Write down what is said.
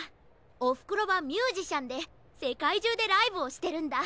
おふくろはミュージシャンでせかいじゅうでライブをしてるんだ。